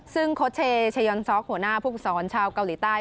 ซึ่งโคชเชเชยอนซอกหัวหน้าภูมิสอนชาวเกาหลีใต้